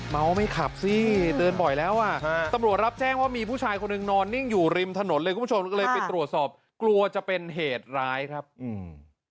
เมาไม่ขับสิเตือนบ่อยแล้วอ่ะฮะตำรวจรับแจ้งว่ามีผู้ชายคนหนึ่งนอนนิ่งอยู่ริมถนนเลยคุณผู้ชมก็เลยไปตรวจสอบกลัวจะเป็นเหตุร้ายครับอืม